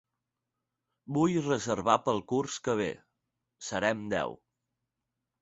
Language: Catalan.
Vull reservar pel curs que ve. Serem deu.